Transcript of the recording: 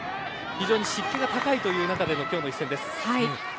非常に湿気が高い中での今日の一戦です。